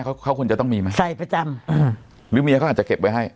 เขาเขาควรจะต้องมีไหมใส่ประจำอ่าหรือเมียเขาอาจจะเก็บไว้ให้